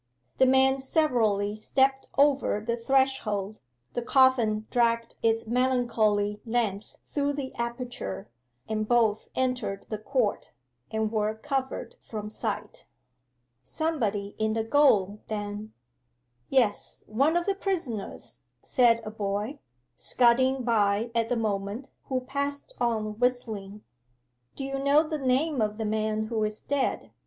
The men severally stepped over the threshold, the coffin dragged its melancholy length through the aperture, and both entered the court, and were covered from sight. 'Somebody in the gaol, then?' 'Yes, one of the prisoners,' said a boy, scudding by at the moment, who passed on whistling. 'Do you know the name of the man who is dead?